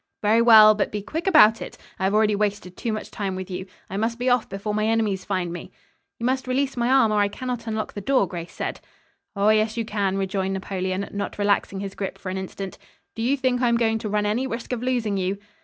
"Very well, but be quick about it I have already wasted too much time with you. I must be off before my enemies find me." "You must release my arm, or I cannot unlock the door," Grace said. "Oh, yes, you can," rejoined Napoleon, not relaxing his grip for an instant. "Do you think I am going to run any risk of losing you?"